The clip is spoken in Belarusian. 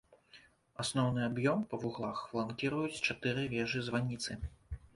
Асноўны аб'ём па вуглах фланкіруюць чатыры вежы-званіцы.